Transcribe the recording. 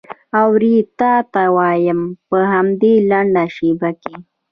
اورې تا ته وایم په همدې لنډه شېبه کې.